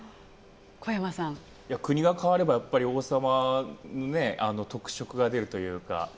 国が変われば王様、特色が出るというか。